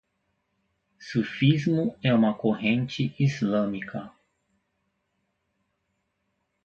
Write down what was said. Sufismo é uma corrente islâmica